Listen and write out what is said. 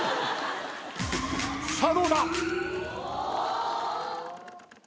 さあどうだ？